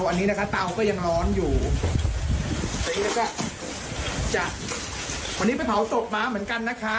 วันนี้นะคะเตาก็ยังร้อนอยู่ตอนนี้ก็จะวันนี้ไปเผาศพม้าเหมือนกันนะคะ